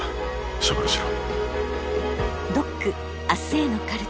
処分しろ。